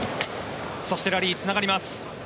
そして、ラリーつながります。